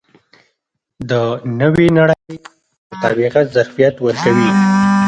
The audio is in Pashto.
له نوې نړۍ سره د مطابقت ظرفیت ورکوي.